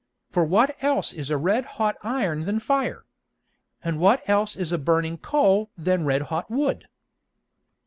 For what else is a red hot Iron than Fire? And what else is a burning Coal than red hot Wood?